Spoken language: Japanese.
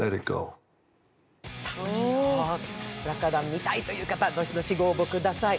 見たいという方、どしどしご応募ください。